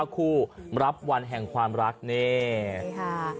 คู่รับวันแห่งความรักนี่ค่ะ